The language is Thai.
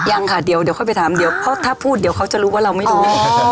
ยังค่ะเดี๋ยวค่อยไปถามเดี๋ยวเพราะถ้าพูดเดี๋ยวเขาจะรู้ว่าเราไม่รู้